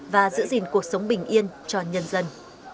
và giữ gìn cuộc sống bình yên cho nhân dân